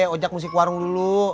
ojak musik warung dulu